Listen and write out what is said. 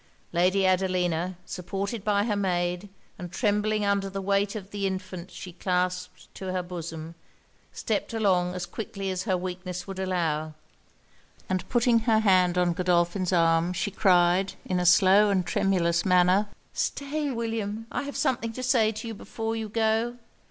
Lady Adelina, supported by her maid, and trembling under the weight of the infant she clasped to her bosom, stepped along as quickly as her weakness would allow; and putting her hand on Godolphin's arm, she cried, in a slow and tremulous manner 'Stay, William! I have something to say to you before you go.